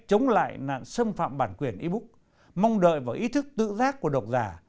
chống lại nạn xâm phạm bản quyền e book mong đợi vào ý thức tự giác của độc giả